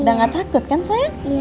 udah gak takut kan saya